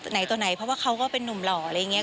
ไหนตัวไหนเพราะว่าเขาก็เป็นนุ่มหล่ออะไรอย่างนี้